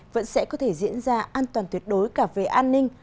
vẫn sẽ có thể diễn ra an toàn tuyệt đối cả về an ninh